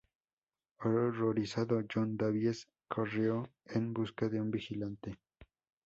Horrorizado, John Davies corrió en busca de un vigilante.